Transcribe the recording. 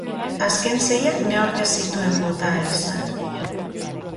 Azken seiak nehork ez zituen bota ahal izan.